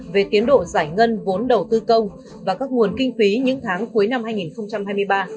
về tiến độ giải ngân vốn đầu tư công và các nguồn kinh phí những tháng cuối năm hai nghìn hai mươi ba